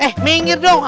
eh minggir dong